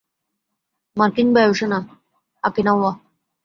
মার্কিন বায়ুসেনা, অকিনাওয়া।